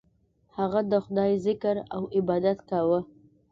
هغه د خدای ذکر او عبادت کاوه.